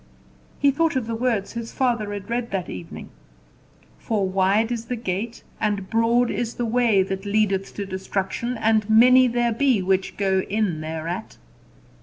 He thought of the words his father had read that evening "For wide is the gate, and broad is the way, that leadeth to destruction and many there be which go in thereat."